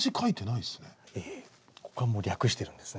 ここはもう略してるんですね。